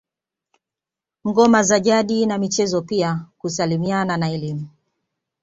Ngoma za jadi na michezo pia kusalimiana na elimu